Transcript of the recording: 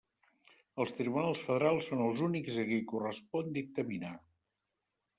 Els tribunals federals són els únics a qui correspon dictaminar.